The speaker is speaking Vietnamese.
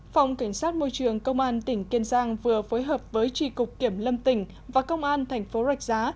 phòng cảnh sát môi trường công an tỉnh kiên giang vừa phối hợp với trì cục kiểm lâm tỉnh và công an thành phố rạch giá